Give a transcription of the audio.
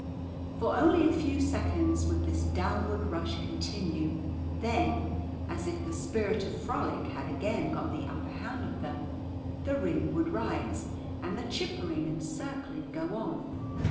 For only a few seconds would this downward rush continue; then, as if the spirit of frolic had again got the upper hand of them, the ring would rise, and the chippering and circling go on.